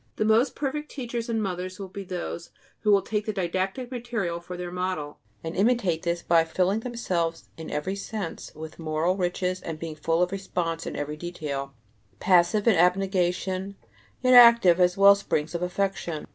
The most perfect teachers and mothers will be those who will take the didactic material for their model, and imitate this by filling themselves in every sense with moral riches and being full of response in every detail; passive in abnegation, yet active as wellsprings of affection.